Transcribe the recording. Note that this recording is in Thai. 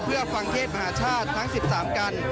เพื่อฟังเทศมหาชาติทั้ง๑๓กัน